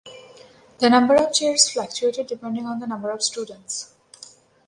The number of chairs fluctuated depending on the number of students.